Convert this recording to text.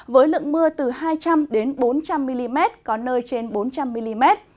với lượng mưa từ hai trăm linh bốn trăm linh mm có nơi trên bốn trăm linh mm